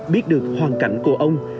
biết được hoàn cảnh của ông